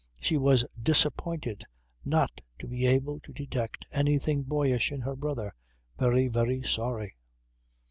She was disappointed not to be able to detect anything boyish in her brother. Very, very sorry.